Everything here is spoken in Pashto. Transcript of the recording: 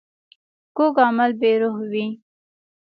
کوږ عمل بې روح وي